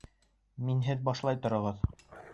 Минһеҙ башлай тороғоҙ!